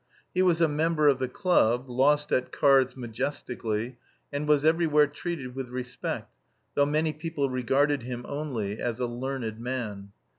He was a member of the club, lost at cards majestically, and was everywhere treated with respect, though many people regarded him only as a "learned man."